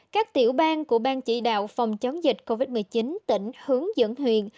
các tiểu bang của bang chỉ đạo phòng chống dịch covid một mươi chín tỉnh hướng dẫn huyện